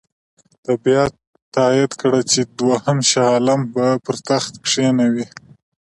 ده بیا تایید کړه چې دوهم شاه عالم به پر تخت کښېنوي.